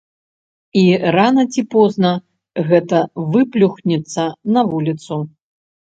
І рана ці позна гэта выплюхнецца на вуліцу.